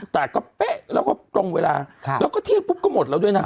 แต่ก็เป๊ะแล้วก็ตรงเวลาแล้วก็เที่ยงปุ๊บก็หมดแล้วด้วยนะ